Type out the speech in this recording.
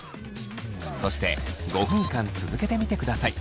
そして５分間続けてみてください。